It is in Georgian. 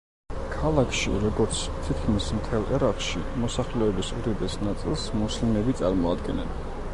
ქალაქში, როგორც თითქმის მთელ ერაყში, მოსახლეობის უდიდეს ნაწილს მუსლიმები წარმოადგენენ.